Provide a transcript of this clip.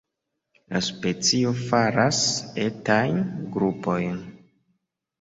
La specio faras etajn grupojn.